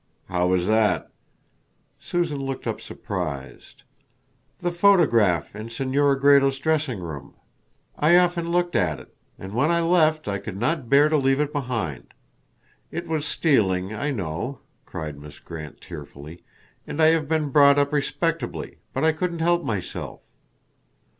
"How was that?" Susan looked up surprised. "The photograph in Senora Gredos' dressing room. I often looked at it, and when I left I could not bear to leave it behind. It was stealing, I know," cried Miss Grant tearfully, "and I have been brought up respectably, but I couldn't help myself."